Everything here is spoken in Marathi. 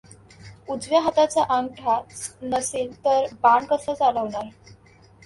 उजव्या हाताचा अंगठा च नसेल तर बाण कसा चालवणार?